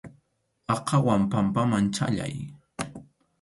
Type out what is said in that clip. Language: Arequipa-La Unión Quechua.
Aqhawan pampaman chʼallay.